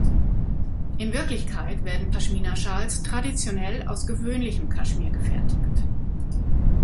In Wirklichkeit werden Pashmina-Schals traditionell aus gewöhnlichem Kaschmir gefertigt.